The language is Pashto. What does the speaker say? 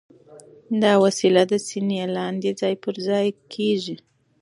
دا وسیله د سینې لاندې ځای پر ځای کېږي.